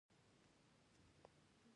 دلته د سوداګریزې پانګې او ګټې په اړه وایو